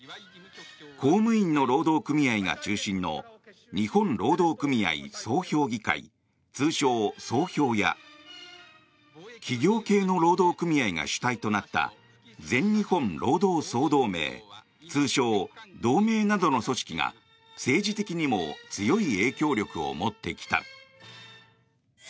公務員の労働組合が中心の日本労働組合総評議会通称・総評や企業系の労働組合が主体となった全日本労働総同盟通称・同盟などの組織が政治的にも強い影響力を持ってきた。